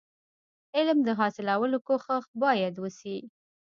علم د حاصلولو کوښښ باید وسي.